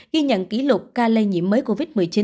ghi nhận kỷ lục ca lây nhiễm mới covid một mươi chín